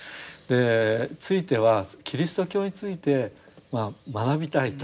ついてはキリスト教について学びたいと。